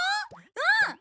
うん！